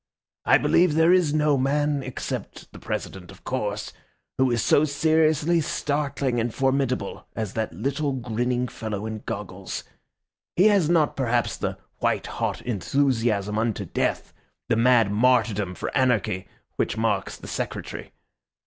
I believe there is no man, except the President, of course, who is so seriously startling and formidable as that little grinning fellow in goggles. He has not perhaps the white hot enthusiasm unto death, the mad martyrdom for anarchy, which marks the Secretary.